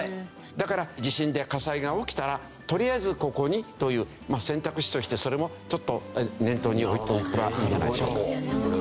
だから地震で火災が起きたらとりあえずここにという選択肢としてそれもちょっと念頭に置いておけばいいんじゃないでしょうか。